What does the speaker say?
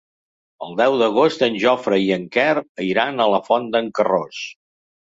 El deu d'agost en Jofre i en Quer iran a la Font d'en Carròs.